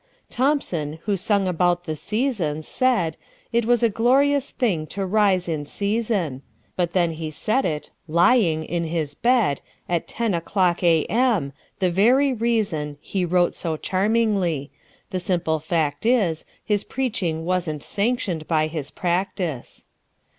Thomson, who sung about the "Seasons," saidIt was a glorious thing to rise in season; But then he said it—lying—in his bed, At ten o'clock A.M.,—the very reasonHe wrote so charmingly. The simple fact is, His preaching was n't sanctioned by his practice.